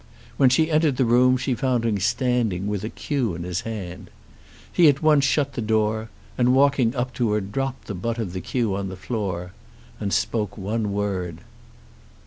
When she entered the room she found him standing with a cue in his hand. He at once shut the door, and walking up to her dropped the butt of the cue on the floor and spoke one word.